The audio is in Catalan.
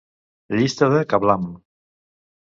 Llista de KaBlam!